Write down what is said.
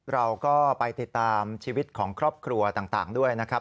เราก็ไปติดตามชีวิตของครอบครัวต่างด้วยนะครับ